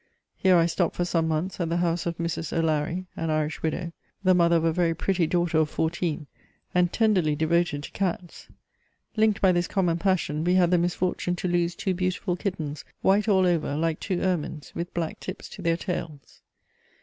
Here I stopped for some months at the house of Mrs. O'Larry, an Irish widow, the mother of a very pretty daughter of fourteen, and tenderly devoted to cats. Linked by this common passion, we had the misfortune to lose two beautiful kittens, white all over, like two ermines, with black tips to their tails.